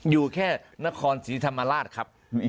อยู่แค่นครศรีธรรมราชครับ